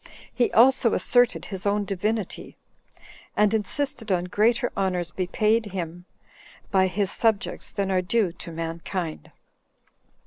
He also asserted his own divinity, and insisted on greater honors to be paid him by his subjects than are due to mankind.